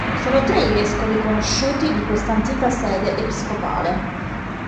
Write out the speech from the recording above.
Sono tre i vescovi conosciuti di questa antica sede episcopale.